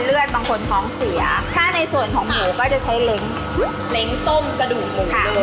เล็งต้มกระดูกหมูด้วย